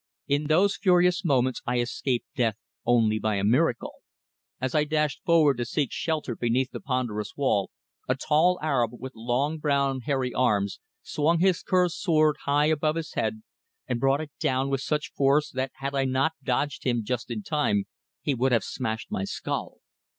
In those furious moments I escaped death only by a miracle. As I dashed forward to seek shelter beneath the ponderous wall, a tall Arab, with long brown hairy arms, swung his curved sword high above his head and brought it down with such force that had I not dodged him just in time, he would have smashed my skull.